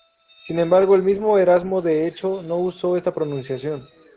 Sin embargo, el mismo Erasmo de hecho no usó esta pronunciación.